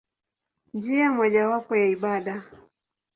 Njia mojawapo ya ibada.